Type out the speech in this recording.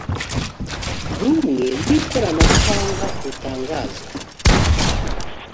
rumwe rw ikoranabuhanga rutangazwaho